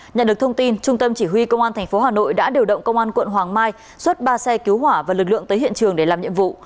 nhận được thông tin trung tâm chỉ huy công an tp hà nội đã điều động công an quận hoàng mai xuất ba xe cứu hỏa và lực lượng tới hiện trường để làm nhiệm vụ